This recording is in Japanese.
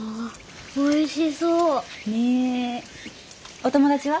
お友達は？